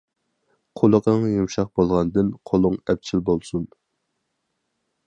قۇلىقىڭ يۇمشاق بولغاندىن، قولۇڭ ئەپچىل بولسۇن.